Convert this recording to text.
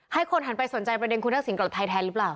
ให้คนหันไปสนใจประเด็นคุณทักษิณกลับไทยแทนหรือเปล่า